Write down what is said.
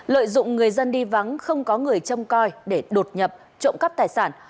lợi dụng người dân đi vắng không có người châm coi để đột nhập trộm cắp tài sản